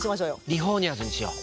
リフォーニャーズにしよう。